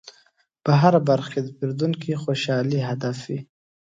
په هره برخه کې د پیرودونکي خوشحالي هدف وي.